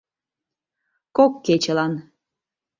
— Кок кечылан.